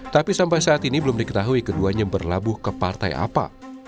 tapi sampai saat ini belum diketahui keduanya berlabuh ke partai apa